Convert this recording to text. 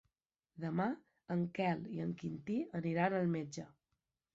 Demà en Quel i en Quintí aniran al metge.